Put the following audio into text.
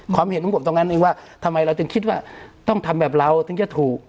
ความเห็นของผมตรงนั้นเองว่าทำไมเราถึงคิดว่าต้องทำแบบเราถึงจะถูก